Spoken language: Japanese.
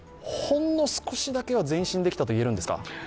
ほんの少しだけは前進できたといえるんですか？